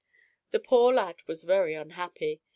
The poor lad was very unhappy.